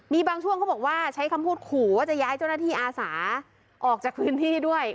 มีบางช่วงเขาบอกว่าใช้คำพูดขู่ว่าจะย้ายเจ้าหน้าที่อาสาออกจากพื้นที่ด้วย